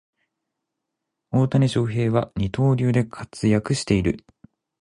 大谷翔平は二刀流で活躍している